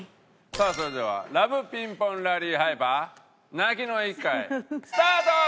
さあそれではＬＯＶＥピンポンラリーハイパー泣きの１回スタート！